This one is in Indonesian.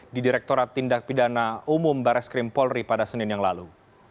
di direkturat tindak pidana umum barreskrim polri pada senin yang lalu